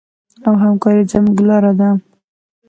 او همکاري زموږ لاره ده.